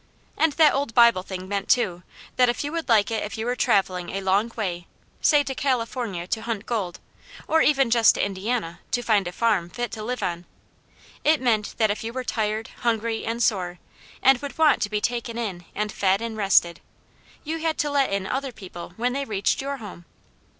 And that old Bible thing meant, too, that if you would like it if you were travelling a long way, say to California to hunt gold, or even just to Indiana, to find a farm fit to live on it meant that if you were tired, hungry, and sore, and would want to be taken in and fed and rested, you had to let in other people when they reached your house.